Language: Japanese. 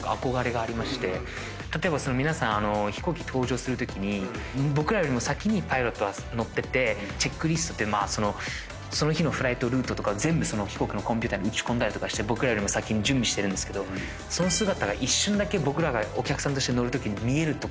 例えば皆さん飛行機搭乗するときに僕らよりも先にパイロットは乗っててチェックリストっていうその日のフライトルートとかを全部飛行機のコンピューターに打ち込んだりして僕らよりも先に準備してるんですけどその姿が一瞬だけ僕らがお客さんとして乗るときに見える所があって。